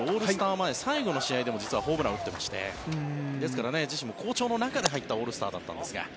前最後の試合でも実はホームランを打っていましてですから自身も好調の中で入ったオールスターだったんですが。